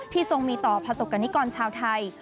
ที่ทรงมีต่อพศักดิ์กรชาวไทย